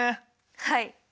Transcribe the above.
はい。